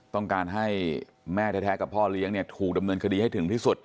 ต้องการให้แม่แท้กับพ่อเลี้ยงเนี่ยถูกดำเนินคดีให้ถึงที่สุด